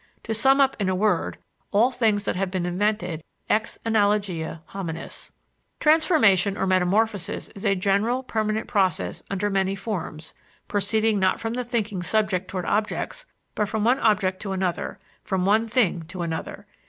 To sum up in a word, all things that have been invented ex analogia hominis. Transformation or metamorphosis is a general, permanent process under many forms, proceeding not from the thinking subject towards objects, but from one object to another, from one thing to another.